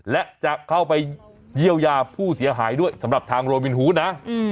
และจะเข้าไปเยียวยาผู้เสียหายด้วยสำหรับทางโรวินฮูดนะ